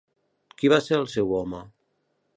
Qui va ser el seu home?